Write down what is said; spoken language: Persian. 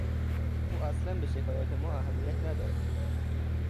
او اصلا به شکایت ما اهمیت نداد.